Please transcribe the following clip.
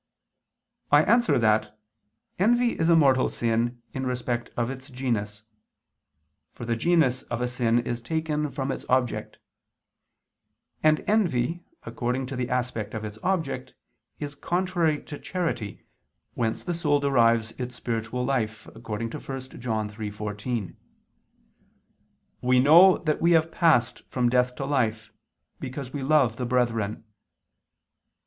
I answer that, Envy is a mortal sin, in respect of its genus. For the genus of a sin is taken from its object; and envy according to the aspect of its object is contrary to charity, whence the soul derives its spiritual life, according to 1 John 3:14: "We know that we have passed from death to life, because we love the brethren."